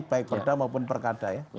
baik perda maupun perkada ya